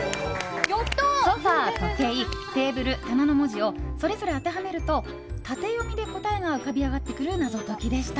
ソファ、トケイ、テーブルタナの文字をそれぞれ当てはめると縦読みで答えが浮かび上がってくる謎解きでした。